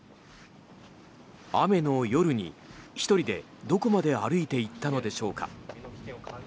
雨の夜に、１人でどこまで歩いて行ったのでしょうか。